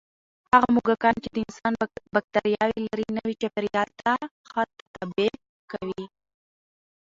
هغه موږکان چې د انسان بکتریاوې لري، نوي چاپېریال ته ښه تطابق کوي.